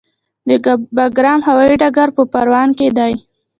د بګرام هوايي ډګر په پروان کې دی